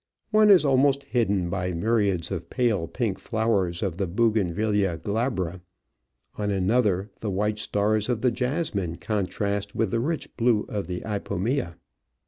One is almost hidden by myriads of pale pink flowers of the Bougainvillea glabra. On another the white stars of the jasmine contrast with the rich blue of the ipomea.